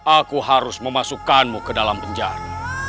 aku harus memasukkanmu ke dalam penjara